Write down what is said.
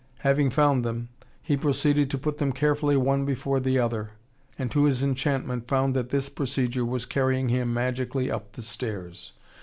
Having found them, he proceeded to put them carefully one before the other, and to his enchantment found that this procedure was carrying him magically up the stairs.